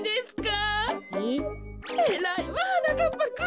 えらいわはなかっぱくん。